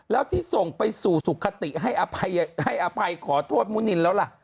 แล้วที่ส่งไปสู่สุขติให้อภัยขอโทษมุนินแล้วล่ะ